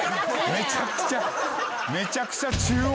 めちゃくちゃ。